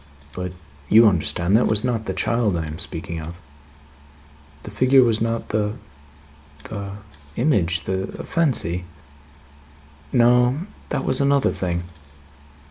But, you understand that that was not the child I am speaking of?" "The figure was not; the the image; the fancy?" "No. That was another thing.